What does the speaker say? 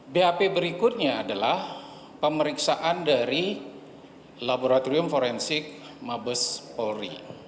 bap berikutnya adalah pemeriksaan dari laboratorium forensik mabes polri